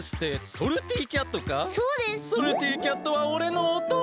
ソルティキャットはおれのおとうとだ！